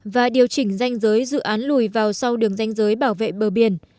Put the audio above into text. và điều chỉnh danh giới dự án lùi vào sau đường danh giới bảo vệ bờ biển